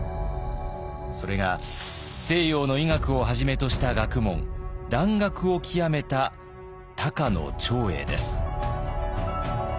それが西洋の医学をはじめとした学問蘭学を究めた高野長英です。